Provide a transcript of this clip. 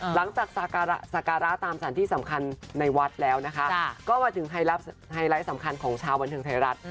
หลังจากสการะตามสถานที่สำคัญในวัดแล้วนะคะก็มาถึงไฮไลท์สำคัญของชาวบันเทิงไทยรัฐ